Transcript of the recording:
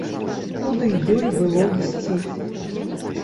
Куды ёй было ісці?